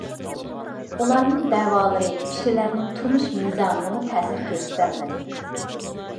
ئۇلارنىڭ دەۋالىرى كىشىلەرنىڭ تۇرمۇش مىزانىغىمۇ تەسىر كۆرسىتەلمىدى.